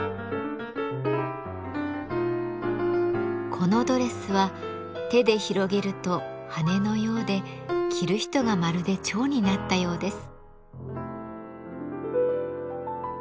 このドレスは手で広げると羽のようで着る人がまるで蝶になったようです。